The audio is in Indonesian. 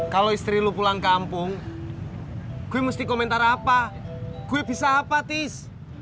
kalau istri lu pulang kampung gue mesti komentar apa gue bisa apa tis